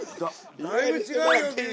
だいぶ違うよ？